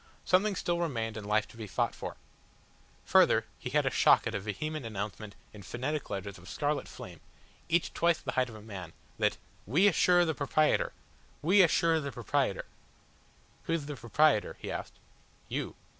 Something still remained in life to be fought for. Further he had a shock at a vehement announcement in phonetic letters of scarlet flame, each twice the height of a man, that "WE ASSURE THE PROPRAIET'R. WE ASSURE THE PROPRAIET'R." "Who's the proprietor?" he asked. "You."